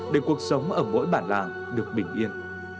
để cuộc sống ở mỗi bản làng được bình yên